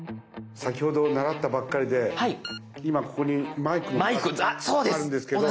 先ほど習ったばっかりで今ここにマイクのマークがあるんですけど。